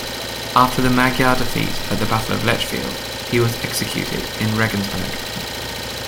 After the Magyar defeat at the Battle of Lechfeld, he was executed in Regensburg.